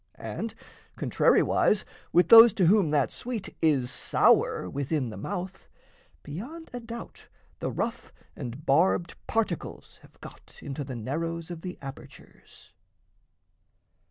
And, contrariwise, with those to whom that sweet Is sour within the mouth, beyond a doubt The rough and barbed particles have got Into the narrows of the apertures.